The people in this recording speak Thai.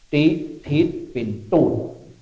ติธิตปินตุ่น